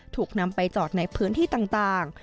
ถูกนำไปจอดในพื้นที่ต่าง